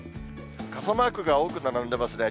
傘マークが多く並んでますね。